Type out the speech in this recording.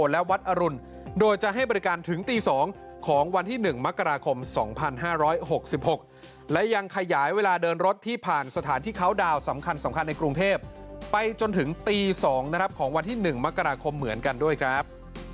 และวัดอรุณโดยจะให้บริการถึงตี๒ของวันที่๑มกราคม๒๕๖๖และยังขยายเวลาเดินรถที่ผ่านสถานที่เขาดาวน์สำคัญในกรุงเทพไปจนถึงตี๒นะครับของวันที่๑มกราคมเหมือนกันด้วยครับ